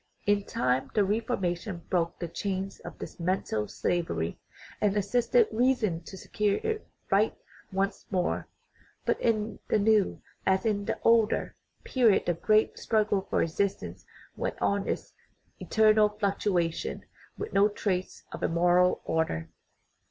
In time the Reformation broke the chains of this mental slavery, and assisted reason to secure its right once more. But in the new, as in the older, period the great struggle for existence went on in its eternal fluctuation, with no trace of a moral order.